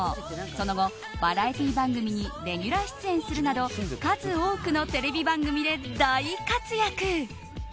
その後、バラエティー番組にレギュラー出演するなど数多くのテレビ番組で大活躍。